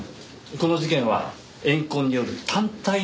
この事件は怨恨による単体の事件です。